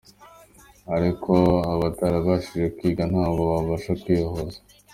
Ariko abatarabashije kwiga ntabwo babasha kwihuza.